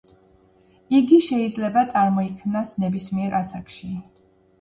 იგი შეიძლება წარმოიქმნას ნებისმიერ ასაკში.